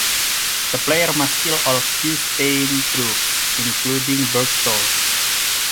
The player must kill all Q-Stein troops, including Bergstrom.